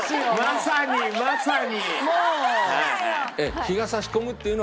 まさにまさに！